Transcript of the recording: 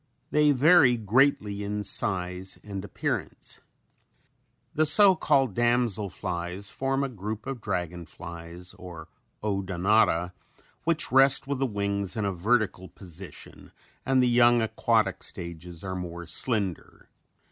They vary greatly in size and appearance. The so called damsel flies form a group of dragon flies or Odonata which rest with the wings in a vertical position and the young aquatic stages are more slender.